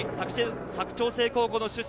佐久長聖高校出身。